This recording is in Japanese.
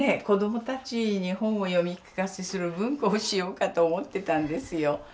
子どもたちに本を読み聞かせする文庫をしようかと思ってたんですよ。